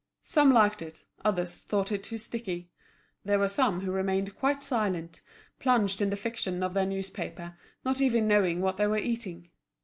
Some liked it, others thought it too sticky. There were some who remained quite silent, plunged in the fiction of their newspaper, not even knowing what they were eating.